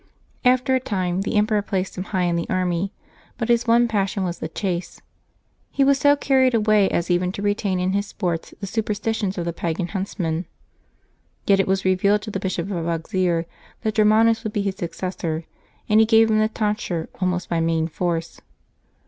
After a time the emperor placed him high in the army. But his one passion was the chase. He was so carried away as even to retain in his sports the super stitions of the pagan huntsmen. Yet it was revealed to the Bishop of Auxerre that Germanus would be his suc cessor, and he gave him the tonsure almost by main force.